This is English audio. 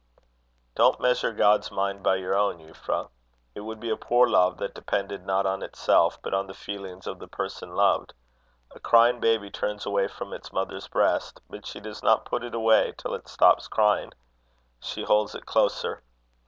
"Don't measure God's mind by your own, Euphra. It would be a poor love that depended not on itself, but on the feelings of the person loved. A crying baby turns away from its mother's breast, but she does not put it away till it stops crying. She holds it closer.